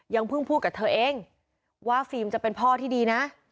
เพิ่งพูดกับเธอเองว่าฟิล์มจะเป็นพ่อที่ดีนะ